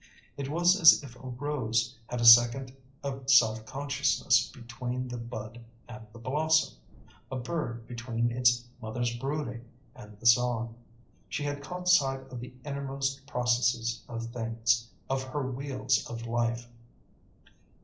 It was as if a rose had a second of self consciousness between the bud and the blossom; a bird between its mother's brooding and the song. She had caught sight of the innermost processes of things, of her wheels of life.